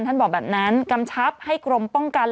บอกแบบนั้นกำชับให้กรมป้องกัน